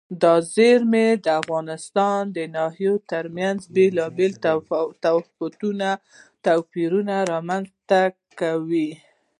دا زیرمې د افغانستان د ناحیو ترمنځ بېلابېل تفاوتونه او توپیرونه رامنځ ته کوي.